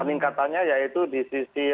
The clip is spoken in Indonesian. peningkatannya yaitu di sisi utara di sisi negara